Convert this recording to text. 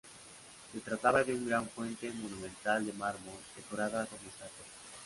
Se trataba de una gran fuente monumental de mármol decorada con estatuas.